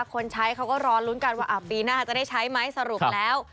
คนใช้เขาก็รอลุ้นกันว่าปีหน้าจะได้ใช้ไหมสรุปแล้ว